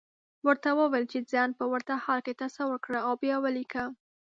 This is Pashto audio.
ورته وويل چې ځان په ورته حال کې تصور کړه او بيا وليکه.